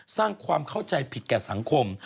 สร้างความเข้าใจผิดแก่สังคม